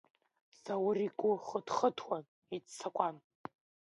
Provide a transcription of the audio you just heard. Заур игәы хыҭхыҭуан, иццакуан.